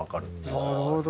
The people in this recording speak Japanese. なるほど。